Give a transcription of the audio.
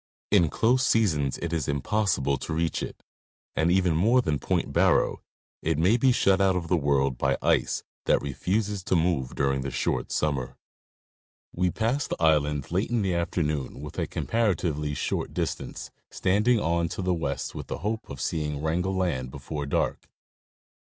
In close seasons it is impossible to reach it, and, even more than Point Barrow, it may be shut out of the world by ice that refuses to move during the short summer. We passed the island late in the afternoon within a compara tively short distance, standing on to the west with the hope of seeing Wrangel land before dark.